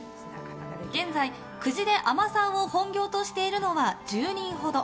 現在、久慈で海女さんを本業としているのは１０人ほど。